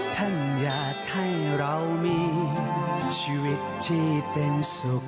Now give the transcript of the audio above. ท่านอยากให้เรามีชีวิตที่เป็นสุข